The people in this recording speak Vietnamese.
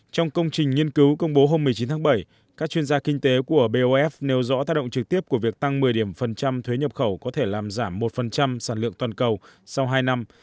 trong công trình nghiên cứu công bố hôm một mươi chín tháng bảy các chuyên gia kinh tế của bof nêu rõ tác động trực tiếp của việc tăng một mươi điểm phần trăm thuế nhập khẩu có thể làm giảm một sản lượng toàn cầu sau hai năm